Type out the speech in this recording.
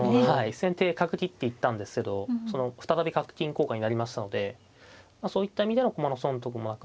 先手角切っていったんですけどその再び角金交換になりましたのでそういった意味での駒の損得もなくなり。